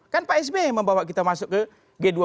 kan pak sby membawa kita masuk ke g dua puluh